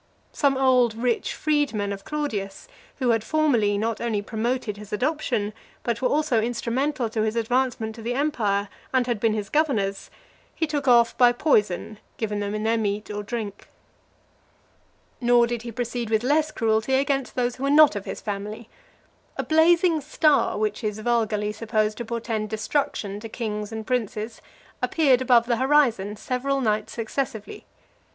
Some old rich freedmen of Claudius, who had formerly not only promoted (366) his adoption, but were also instrumental to his advancement to the empire, and had been his governors, he took off by poison given them in their meat or drink. XXXVI. Nor did he proceed with less cruelty against those who were not of his family. A blazing star, which is vulgarly supposed to portend destruction to kings and princes, appeared above the horizon several nights successively .